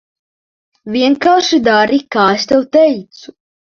Vienkārši dari, kā es tev teicu.